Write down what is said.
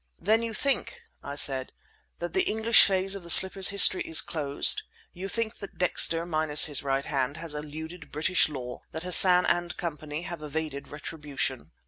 "Then you think," I said, "that the English phase of the slipper's history is closed? You think that Dexter, minus his right hand, has eluded British law—that Hassan and Company have evaded retribution?"